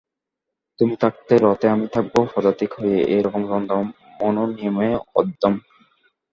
তুমি থাকবে রথে, আমি থাকব পদাতিক হয়ে– এ-রকম দ্বন্দ্ব মনুর নিয়মে অধর্ম।